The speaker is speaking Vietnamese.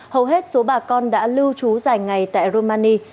hầu hết số bà con đã lưu trú dài ngày tại romani